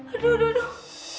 aduh aduh aduh